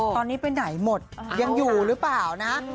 ตอนนี้ไปไหนหมดยังอยู่หรือเปล่านะฮะ